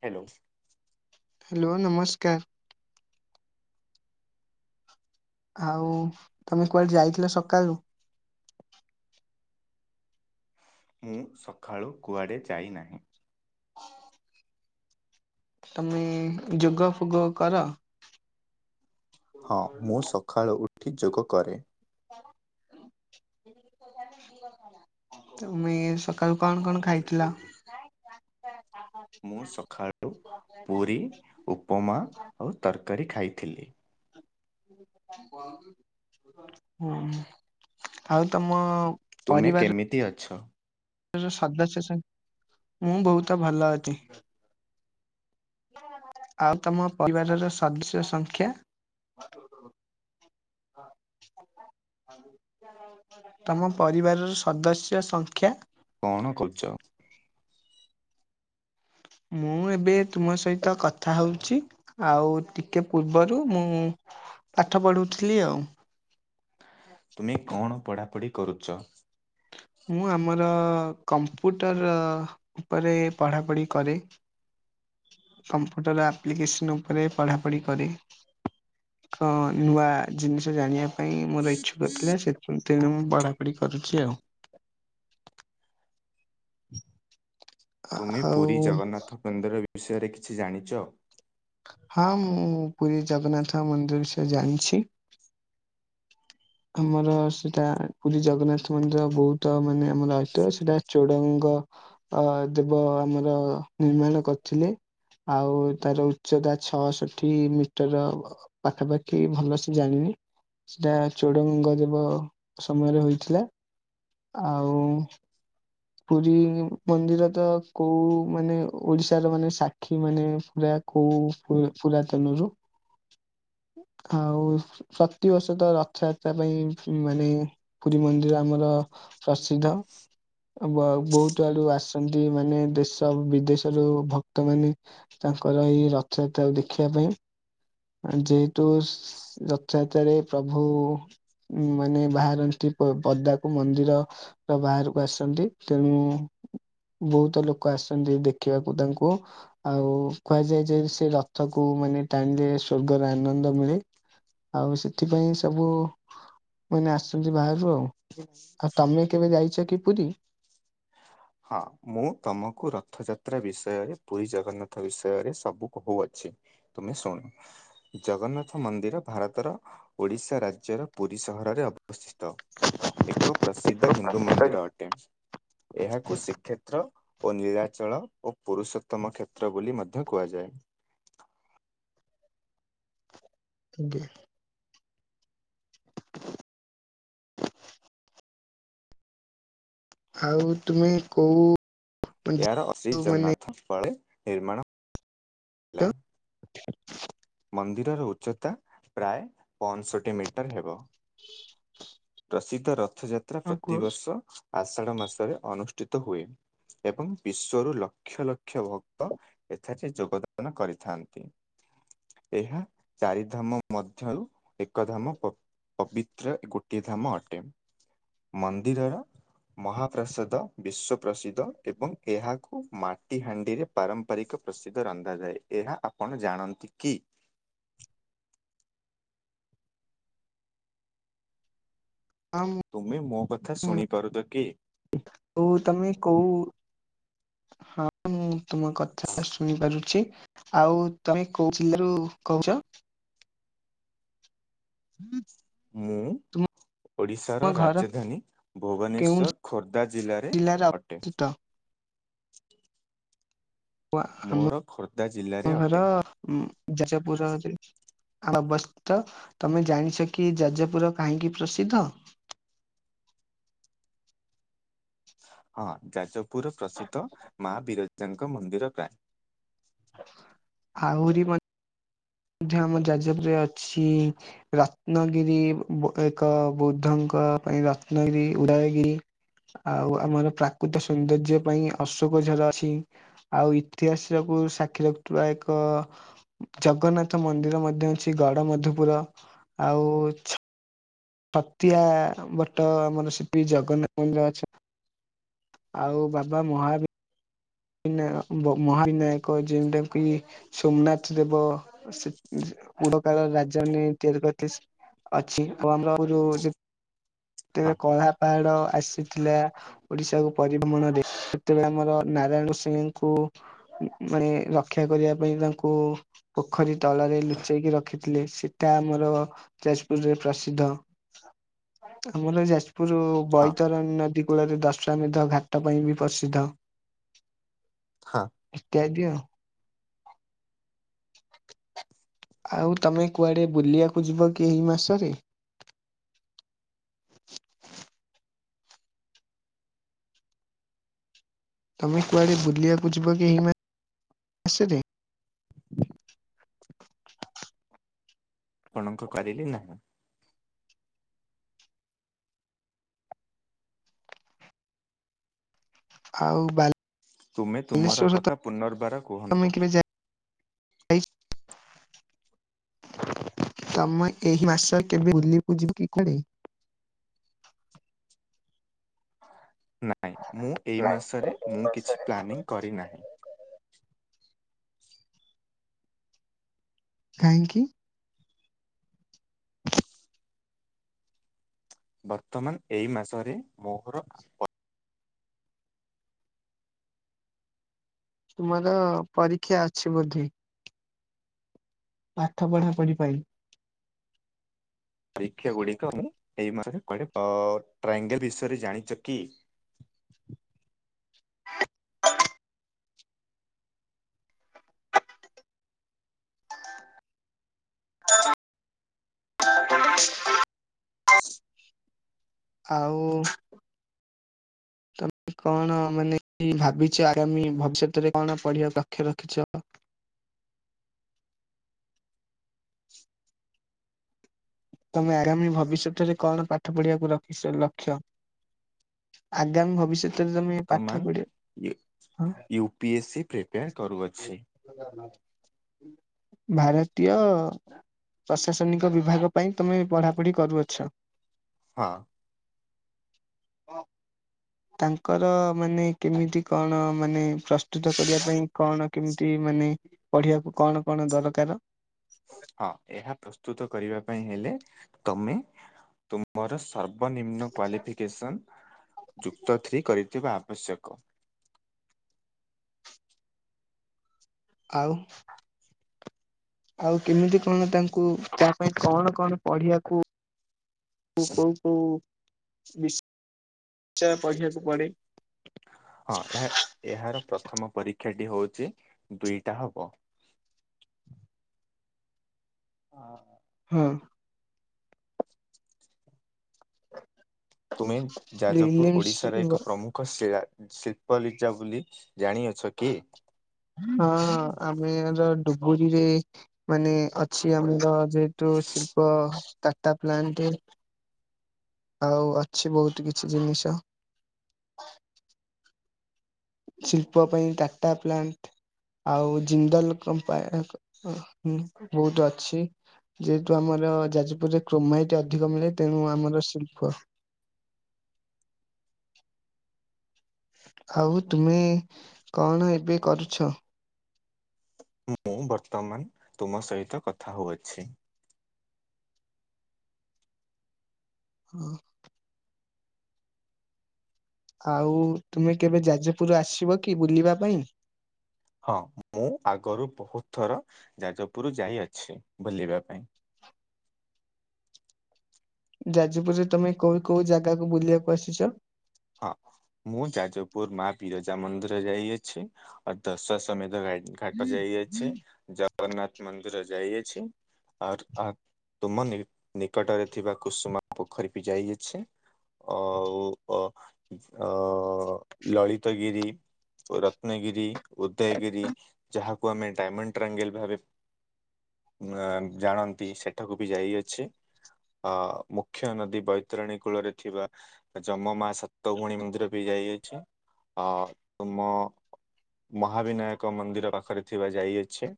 Hello. Hello ନମସ୍କାର। ଆଉ ତମେ କୁଆଡେ ଯାଇଥିଲ ସକାଳୁ? ମୁଁ ସକାଳୁ କୁଆଡେ ଯାଇନାହିଁ। ତମେ ଯୋଗଫୋଗ କର? ହଁ ମୁଁ ସକାଳୁ ଉଠି ଯୋଗ କରେ। ହୁଁ [unintelligible] ତମେ ସକାଳୁ କଣ କଣ ଖାଇଥିଲ? ମୁଁ ସକାଳୁ ପୁରି ଉପମା ଆଉ ତରକାରୀ ଖାଇଥିଲି। ହୁଁ ଆଉ ତମ ତୁମେ ପରିବାରର କେମିତି ଅଛ? [unintelligible] ମୁଁ ବହୁତ ଭଲ ଅଛି। ହଁ [unintelligible] ଆଉ ତମ ପରିବାରର ସଦସ୍ୟ ସଂଖ୍ୟା? ହଁ ତମ ପରିବାରର ସଦସ୍ୟ ସଂଖ୍ୟା? କଣ କରୁଛ? ମୁଁ ଏବେ ତୁମ ସହିତ କଥା ହଉଛି ଆଉ ଟିକେ ପୂର୍ବରୁ ମୁଁ ପାଠ ପଢୁଥିଲି ଆଉ। ତୁମେ କଣ ପଢାପଢି କରୁଛ? ମୁଁ ଆମର କମ୍ପୁଟର ଉପରେ ପଢାପଢି କରେ। କମ୍ପ୍ୟୁଟର ଆପ୍ଲିକେସନ୍ ଉପରେ ପଢ଼ାପଢ଼ି କରେ। କଣ ନୂଆ ଜିନିଷ ଜାଣିବା ପାଇଁ ମୋର ଇଚ୍ଛୁକଥିଲା ସେଥି ତେଣୁ ମୁଁ ପଢ଼ାପଢ଼ି କରୁଛି ଆଉ। ତୁମେ ପୁରୀ ଆଉ ଜଗନ୍ନାଥ ମନ୍ଦିର ବିଷୟରେ କିଛି ଜାଣିଛ? ହଁ ମ ମୁଁ ପୁରୀ ଜଗନ୍ନାଥ ମନ୍ଦିର ବିଷୟରେ ଜାଣିଛି। ଆମର ସେଟା ପୁରୀ ଜଗନ୍ନାଥ ମନ୍ଦିର ବହୁତ ମାନେ ଆମର ଆଦ୍ୟ ସେଟା ଚୋଡଗଙ୍ଗ ଅ-ଅ ଦେବ ଆମର ନିର୍ମାଣ କରିଥିଲେ। ଆଉ ତାର ଉଚ୍ଚତା ଛଅଷଠି ମିଟର ପାଖାପାଖି ଭଲ ସେ ଜାଣିନି। ସେଟା ଚୋଡଗଙ୍ଗଦେବ ସମୟରେ ହୋଇଥିଲା ଆଉ ପୁରୀ ମନ୍ଦିର ତ କୋଉ ମାନେ ଓଡିଶାର ମାନେ ସାକ୍ଷୀ ମାନେ ପୁରା କୋଉ ପୁ ପୁୁରାତନରୁ ଆଉ ପ୍ରତିବର୍ଷ ତ ରଥଯାତ୍ରା ପାଇଁ ମାନେ ପୁରୀ ମନ୍ଦିର ଆମର ପ୍ରସିଦ୍ଧ। ଆ ବା-ବୋହୁତ ଆଡୁ ଆସନ୍ତି ମାନେ ଦେଶ ବିଦେଶରୁ ଭକ୍ତ ମାନେ ତା ତାଙ୍କର ଏଇ ରଥଯାତ୍ରା ଦେଖିବା ପାଇଁ। ଯେହେତୁ ଶ୍ ରଥଯାତ୍ରାରେ ପ୍ରଭୁ ଉଉଁ ମାନେ ବାହାରନ୍ତି ପଦାକୁ ମନ୍ଦିର ର ବାହାରୁ ଆସିଚନ୍ତି ତେଣୁ ବୋହୁତ ଲୋକ ଆସନ୍ତି ଦେଖିବାକୁ ତାଙ୍କୁ ଆଉ କୁହାଯାଏ ଯେ ସେ ରଥକୁ ବୁ ମାନେ ଟାଇମ୍ ଦେଲେ ସ୍ୱର୍ଗର ଆନନ୍ଦ ମିଳେ ଆଉ ସେଥିପାଇଁ ସବୁ ମାନେ ଆସୁଚନ୍ତି ବାହାରୁ ଆଉ। ଆଉ ତମେ କେବେ ଯାଇଚ କି ପୁରୀ? ହଁ ମୁଁ ତମକୁ ରଥଯାତ୍ରା ବିଷୟରେ ପୁରୀ ଜଗନ୍ନାଥ ବିଷୟରେ ସବୁ କୋହୁଅଛି। ତମେ ଶୁଣ ଜଗନ୍ନାଥ ମନ୍ଦିର ଭାରତର ଓଡିଶା ରାଜ୍ୟର ପୁରୀ ସହରରେ ଅବସ୍ଥିତ ଏକ ପ୍ରସିଦ୍ଧ ହିନ୍ଦୁ ମନ୍ଦିର ଅଟେ। ଏହା କ୍ଷେତ୍ର ଓ ନୀଳାଚଳ ଓ ପୁରୁଷୋତ୍ତମ କ୍ଷେତ୍ର ବୋଲି ମଧ୍ୟ କୁହାଯାଏ। ଆଜ୍ଞା। ଆଉ ତୁମେ କୋଉ ଏହାର ଅସି ମାନେ ଜନ୍ନାଥ ଫଳେ ନିର୍ମାଣ ହେଲା। ମନ୍ଦିରର ଉଚ୍ଚତା ପ୍ରାୟେ ପଅଂଷଠି ମିଟର ହେବ। ପ୍ରସିଦ୍ଧ ରଥଯାତ୍ରା ହଁ କୁହ। ପ୍ରତିବର୍ଷ ଆଷାଢ ମାସରେ ଅନୁଷ୍ଠିତ ହୁଏ। ଏବଂ ବିଶ୍ୱରୁ ଲକ୍ଷ ଲକ୍ଷ ଭକ୍ତ ଏଥାରେ ଯୋଗଦାନ କରିଥାନ୍ତି। ଏହା ଚାରି ଧାମ ମଧ୍ୟରୁ ଏକ ଧାମ ପ-ପବିତ୍ର ଗୋ ଟିଏ ଧାମ ଅଟେ। ମନ୍ଦିରର ମହାପ୍ରସାଦ ବିଶ୍ୱ ପ୍ରସିଦ୍ଧ ଏବଂ ଏହାକୁ ମାଟି ହାଣ୍ଡିରେ ପାରମ୍ପାରିକ ପ୍ରସିଦ୍ଧ ରନ୍ଧାଯାଏ ଏହା ଆପଣ ଜାଣନ୍ତି କି? ହଁ ତୁମେ ମୋ କଥା ମୁଁ ଶୁଣିପାରୁଛ କି? ମୁଁ ହୋଉ ତମେ କୋଉ ହଁ ମୁଁ ତୁମ କଥା ଶୁଣିପାରୁଛି। ଆଉ ତମେ କୋଉ ଜିଲ୍ଲାରୁ କହୁଛ? ମୁଁ ତୁମ ଓଡ଼ିଶାର ଘର ରାଜଧାନୀ କେଉଁ ଭୁବନେଶ୍ୱର ଖୋର୍ଦ୍ଧା ଜିଲ୍ଲାରେ ଅଟେ। ଓ ମୋର ଖୋର୍ଦ୍ଧା ଜିଲ୍ଲାରେ ଆମ ଘର ଅଟେ। ଯାଜପୁର ଜିଲ ଆ ବସ୍ତିତ ତମେ ଜାଣିଛ କି ଯାଜପୁର କାହିଁକି ପ୍ରସିଦ୍ଧ? ହଁ ଯାଜପୁର ପ୍ରସିଦ୍ଧ ମା ବିରଜାଙ୍କ ମନ୍ଦିର ପ୍ରାୟ। ଆହୁରି ମ ମଧ୍ୟ ଆମ ଯାଜପୁରରେ ଅଛି ରତ୍ନଗିରି ଏକ ବୁଦ୍ଧଙ୍କ ଙ୍କ ପାଇଁ ରତ୍ନଗିରି ଉଦୟଗିରି ଆଉ ଆମର ପ୍ରାକୃତ୍ୟ ସୌନ୍ଦର୍ଯ୍ୟ ପାଇଁ ଅଶୋକ ଝର ଅଛି ଆଉ ଇତିହାସ ସବୁ କୁ ସାକ୍ଷୀ ରଖୁଥିବା ଏକ ଜଗନ୍ନାଥ ନାଥ ମନ୍ଦିର ମଧ୍ୟ ଅଛି ଗଡ ମଧୁପୁର ଆଉ ଛ୍ ଛତିଆ ଭଟ ଆମର ସେଠି ଜଗନ୍ନାଥ ମନ୍ଦିର ଅଛି। ଆଉ ବାବା ମହା ବିନାୟ ମ ମହାବିନାୟକ ଯେଉଟାକି ସୋମନାଥ ଦେବ ସି ଉଡ କାଳ ରାଜ୍ୟନୀତି ପ୍ରତିଷ୍ଟିତ [unintelligible] ଅଛି ଓ ଆମର ଯୋଉ ହଁ ସେତେବେଳେ କଳା ପାହାଡ ଆସିଥିଲା ଓଡିଶାକୁୁ ପରି ଭ୍ରମଣ ରେ ସେତେବେଳେ ଆମର ନାରାୟଣ ସିଂ ଙ୍କୁ ମାନେ ରକ୍ଷା କରିବା ପାଇଁ ତାଙ୍କୁ ପୋଖରୀ ତଳରେ ଲୁଚେଇ କରି ରଖିଥିଲେ ସେଟା ଆମର ଯାଜପୁର ରେ ପ୍ରସିଦ୍ଧ। ଆମଲଯାଯ୍ ପୁରୁ ହଁ ବୈତରଣୀ ନଦୀ କୂଳରେ ଦଶ୍ୱାନିଧ ଘାଟ ପାଇଁ ବି ପ୍ରସିଦ୍ଧ। ହଁ। ଇତ୍ୟାଦି ଆଉ। [inaudible] ଆଉ ତମେ କୁଆଡେ ବୁଲିଆକୁ ଯିବ କି ଏହି ମାସରେ? [inaudible] ତମେ କୁଆଡେ ବୁଲିବାକୁ ଯିବ କି ଏଇମାସରେ? ଆପଣଙ୍କ କରିଲେ ନାହିଁ। ଆଉ ବାଲ ତୁମେ ତୁମର କଥା ପୁନର୍ବାର ତମେ କୁହନ୍ତୁ। କେବେ ଯାଇ ତମେ ଏହି ମାସ କେବେ ବୁଲି [unintelligible] ଯିବ କି କୁଆଡେ? ନାଇଁ, ମୁଁ ଏଇ ନାଇଁ ମାସରେ ମୁଁ, କିଛି ମାସରେ। ପ୍ଲାନିଂ କରିନାହିଁ। କାହିଁକି? ବର୍ତ୍ତମାନ ଏଇ ମାସରେ ମୋହର ଆପ ତୁମର ପରୀକ୍ଷା ଅଛି ବୋଧେ? ପାଠ ପଢା ପଢି ପାଇଁ। ପରୀକ୍ଷା ଗୁଡିକ ମୁଁ ଏଇ ମା [unintelligible] ଟ୍ରାଙ୍ଗେଲ ବିଷୟରେ ଜାଣିଛ କି? ଆଉ ତ, କଣ, ମାନେ ଭାବିଛ ଆଗାମୀ ଭବିଷ୍ୟତରେ କଣ ପଢିବା ଲକ୍ଷ ରଖିଛ? ତମେ ଆରାମୀ ଭବିଷ୍ୟତରେ, କଣ ପାଠ ପଢିବାକୁ ରଖିସ ଲକ୍ଷ? ଆଗାମୀ ଭବିଷ୍ୟତରେ ତମେ ପାଠ ପଢିବ। ହଁ ୟୁପି ଏସ୍ ସି ପ୍ରିପେୟାର କରୁଅଛି। ଭାରତୀୟ ପ୍ରଶାସନିକ ବିଭାଗ। ପାଇଁ ତମେ ପଢାପଢି କରୁଅଛ। ହଁ। ହଁ। ତାଙ୍କର ମାନେ କେମିତି କଣ? ମାନେ ପ୍ରସ୍ତୁତ କରିବା ପାଇଁ କଣ କେମିତି? ମାନେ, ପଢିବାକୁ କଣ କଣ ଦରକାର? ହଁ ଏହା ପ୍ରସ୍ତୁତ କରିବା ପାଇଁ ହେଲେ ତମେ ତୁମର ସ ସର୍ବନିମ୍ନ କ୍ୱାଲିଫିକେସନ୍ ଯୁକ୍ତ ଥ୍ରୀ କରିଥିବା ଆ ଆବଶ୍ୟକ। ଆଉ ଆଉ କେମିତି କଣ ତାଙ୍କୁ ତା ପାଇଁ କଣ କଣ ପଢିବାକୁ, କୋଉ କୋଉ ବିଶ୍ଚୟ ପଢ଼ିବାକୁ ପଡ଼େ। ହଁ, ଏହା ଏହାର ପ୍ରଥମ ପରୀ କ୍ଷା ଟି ହଉଛି ଦୁଇଟା ହବ। ହଁ। ହଁ। ତୁମେ ଯାଜପୁର ପ୍ରିଲିମ୍ସ ଓଡିଶାର ଏକ ହଁ ପ୍ରମୁଖ ଶିଳା ଶିଳ୍ପଲିିଜା ବୋଲି ଜାଣିଅଛ କି? ହଁ ଆମେର ଡୁବୁରିରେ ମାନେ ଅଛି ଆମର ଯେହେତୁ ଶିଳ୍ପ ଟାଟା ପ୍ଲାଣ୍ଟେ ଆଉ ଅଛି ବହୁତ କିଛି ଜିନିଷ। ଶିଳ୍ପ ପାଇଁ ଟାଟା ପ୍ଲାଣ୍ଟ ଆଉ ଜିନ୍ଦଲ କମ୍ପାନି ଅ ବହୁତ ଅଛି ଯେହେତୁ ଆମର ଆମର ଯାଜପୁରରେ କ୍ରୋମାଇଟ ଅଧିକ ମିଳେ ତେଣୁ ଆମର ଶିଳ୍ପ ଆଉ ତୁମେ କଣ ଏବେ କରୁଛ? ମୁଁ ବର୍ତ୍ତମାନ ତୁମ ସହିତ କଥା ହଉଅଛି। ହଁ। ଆଉ ତୁମେ କେବେ ଯାଜପୁର ଆସିବ କି ବୁଲିବା ପାଇଁ? ହଁ ମୁଁ ଆଗରୁ ବହୁତ ଥର ଯାଜପୁର ଯାଇ ଅଛି ବୁଲିବା ପାଇଁ। ଯାଜପୁରରେ ତମେ କୋଉ କୋଉ ଜାଗାକୁ ବୁଲିବାକୁ ଆସିଚ? ହଁ। ମୁଁ ଯାଜପୁର ମା ବିରଜା ମନ୍ଦିର ଯାଇଅଛି ଅ ଦଶ ସମେତ ଗାଡି ଘାଟ ଯାଇଅଛି। ଜଗନ୍ନାଥ ମନ୍ଦିର ଯାଇଅଛି। ଆର ଆ ତୁମ ନିକଟରେ ଥିବା କୁସୁମ ପୋଖରୀ ବି ଯାଇଅଛି। ଆଉ ଅ ଅ ଲଳିତଗିରି ଓ ରତ୍ନଗିରି, ଉଦୟଗିରି ଯାହାକୁ ଆମେ ଡାଇମଣ୍ଡ ଟ୍ରାଙ୍ଗେଲ ଭାବେ ଆ ଜାଣନ୍ତି ସେଠାକୁ ବି ଯାଇଅଛି। ହଁ ମୁଖ୍ୟ ନଦୀ ବୈତରଣୀ କୂଳରେ ଥିବା ଯମ ମା ସ ତ ଗୁଣୀ ମନ୍ଦିର ବି ଯାଇଅଛି ଆ ତୁମ ମହାବିନାୟକ ମନ୍ଦିର ପାଖରେ ଥିବା ଯାଇଅଛି।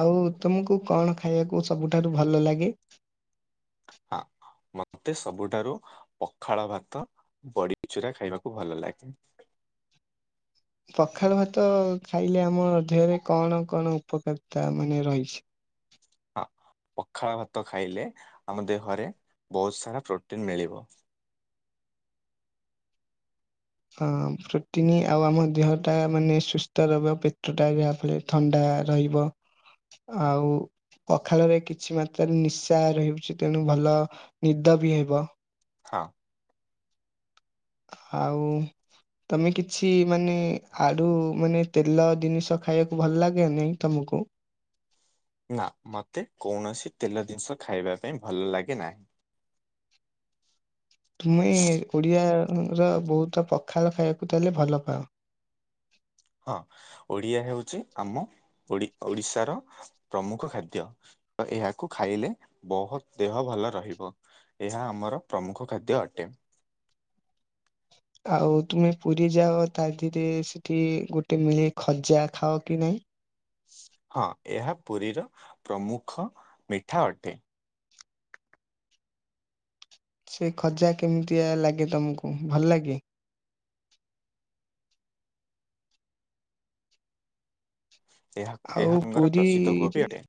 ଆଉ ତମକୁ କଣ ଖାଇବାକୁ ସବୁଠାରୁ ଭଲ ଲାଗେ? ଆ ମତେ ସବୁଠାରୁ ପଖାଳ ଭାତ ବଡିଚୁରା ଖାଇବାକୁ ଭଲ ଲାଗେ। ପଖାଳ ଭାତ ଖାଇଲେ ଆମ ଦେହରେ କଣ କଣ ଉପକାରିତା ମାନେ ରହିଛି? ହଁ। ପଖାଳ ଭାତ ଖାଇଲେ ଆମ ଦେହରେ ବୋହୁତ ସାରା ପ୍ରୋଟିନ୍ ମିଳିବ। ହଁ ପ୍ରୋଟିନ ଆଉ ଆମ ଦେହ ଟା ମାନେ ସୁସ୍ଥ ରହିବ ପେଟ ଟା ଯାହାଫଳରେ ଥଣ୍ଡା ରହିବ ଆଉ ପଖାଳରେ କିଛି ମାତ୍ରାରେ ନିଶା ରହୁଛି ତେଣୁ ଭଲ ନିଦ ବି ହେବ। ହଁ। ଆଉ ତମେ କିଛି ମାନେ ଆଡୁ ମାନେ ତେଲ ଦିନିଷ ଖାଇବାକୁ ଭଲ ଲାଗେନି ତମକୁ? ନା ମୋତେ କୌଣସି ତେଲ ଜିନିଷ ଖାଇବା ପାଇଁ ଭଲ ଲାଗେ ନାହିଁ। ତୁମେ ଓଡିଆ ର ବୋହୁତ ପଖାଳ ଖାଇବାକୁ ତାହାଲେ ଭଲ ପାଅ। ହଁ ଓଡିଆ ହେଉଚି ଆମ ଓଡ଼ି-ଓଡିଶାର ପ୍ରମୁଖ ଖାଦ୍ୟ। ତ ଏହାକୁ ଖାଇଲେ ବୋହୁତ ଦେହ ଭଲ ରହିବ ଏହା ଆମର ପ୍ରମୁଖ ଖାଦ୍ୟ ଅଟେ। ୟ ଆଉ ତୁମେ ପୁରୀ ଯାଅ ତା ଦିହରେ ସେଠି ଗୋଟେ ମିଳେ ଖଜା ଖାଅ କି ନାଇଁ? ହଁ ଏହା ପୁରୀର ପ୍ରମୁଖ ମିଠା ଅଟେ। ସେ ଖଜା କେମିତିଆ ଲାଗେ ତମକୁ ଭଲ ଲାଗେ? ଏହାକୁ ଆଉ ଏହାଙ୍କର ପ୍ରସିଦ୍ଧ ପୁରୀରେ ଗୋପୀ ଅଟେ।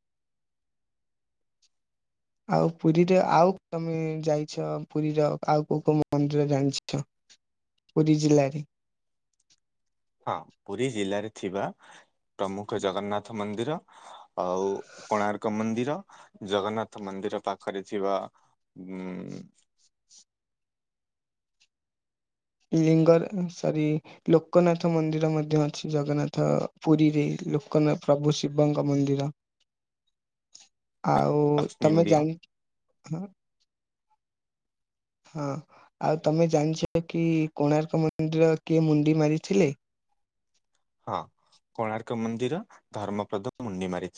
ଆଉ ପୁରୀରେ ଆଉ ତମେ ଯାଇଛ ପୁରୀର ଆଉ କୋଉ କୋଉ ମନ୍ଦିର ଜାଣିଛ? ପୁରୀ ଜିଲ୍ଲାରେ। ହଁ ପୁରୀ ଜିଲ୍ଲାରେ ଥିବା ପ୍ରମୁଖ ଜଗନ୍ନାଥ ମନ୍ଦିର ଆଉ କୋଣାର୍କ ମନ୍ଦିର, ଜଗନ୍ନାଥ ମନ୍ଦିର ନ୍ଦିର ପାଖରେ ଥିବା ଉ ଲିଙ୍ଗ ରା ସରି ଲୋକନାଥ ମନ୍ଦିର ମଧ୍ୟ ଅଛି। ଜଗନ୍ନାଥ ପୁରୀରେ ଲୋକନା ପ୍ରଭୁ ଶିବଙ୍କ ମନ୍ଦିର। ଆଉ ଲକ୍ଷ୍ମୀ ତମେ ମନ୍ଦିର ଜାଣି ହ ହଁ ଆଉ ତମେ ଜାଣିଛ କି କୋଣାର୍କ ମନ୍ଦିର କିଏ ମୁଣ୍ଡି ମାରିଥିଲେ? ହଁ କୋଣାର୍କ ମନ୍ଦିର ଧର୍ମପ୍ରଦ ମୁଣ୍ଡି ମାରିଥିଲ